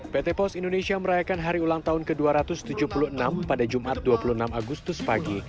pt pos indonesia merayakan hari ulang tahun ke dua ratus tujuh puluh enam pada jumat dua puluh enam agustus pagi